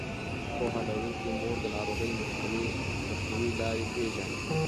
پوهه لرونکې مور د ناروغۍ مخنیوي لارې پېژني.